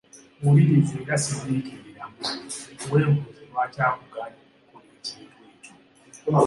Wuliriza era siriikiriramu weebuuze lwaki akugaanyi okukola ekintu ekyo.